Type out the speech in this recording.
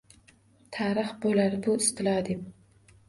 Tarix boʼlar bu istilo deb.